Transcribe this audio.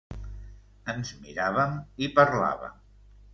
Ens miràvem i parlàvem.